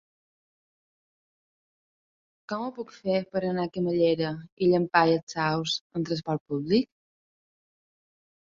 Com ho puc fer per anar a Camallera i Llampaies Saus amb trasport públic?